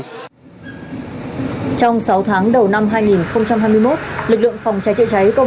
trong sáu tháng đầu năm hai nghìn hai mươi một